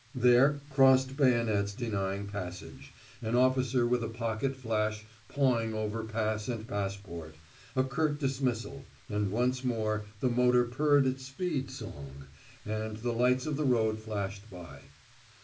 There crossed bayonets denying passage, an officer with a pocket flash pawing over pass and passport, a curt dismissal, and once more the motor purred its speed song, and the lights of the road flashed by.